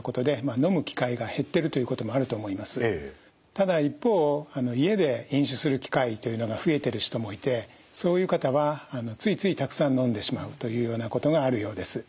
ただ一方家で飲酒する機会というのが増えている人もいてそういう方はついついたくさん飲んでしまうというようなことがあるようです。